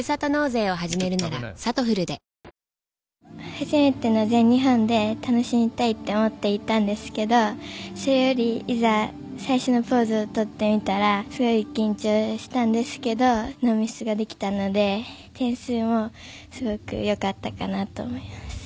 初めての全日本で楽しみたいと思っていたんですがそれよりいざ最初のポーズを取ってみたらすごい緊張したんですがノーミスができたので点数もすごくよかったかなと思います。